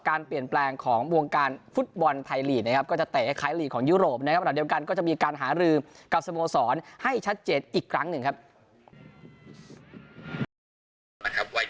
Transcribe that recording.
แต่อยู่ตำปรับเปลี่ยนก็ถือเอาวิกฤตนี้เป็นโอกาสสหภัยที่เดียว